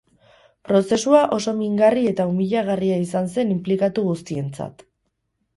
Prozesua oso mingarri eta umiliagarria izan zen inplikatu guztientzat.